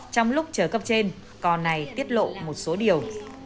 trong lúc chờ cấp trên cò này tiết lộ một số điều